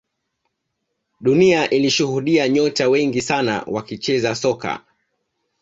dunia ilishuhudia nyota wengi sana wakicheza soka